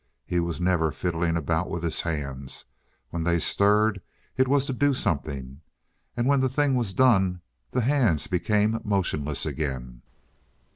He was never fiddling about with his hands; when they stirred, it was to do something, and when the thing was done, the hands became motionless again.